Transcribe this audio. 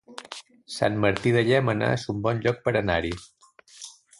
Sant Martí de Llémena es un bon lloc per anar-hi